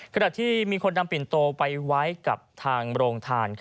ขณะที่มีคนนำปิ่นโตไปไว้กับทางโรงทาน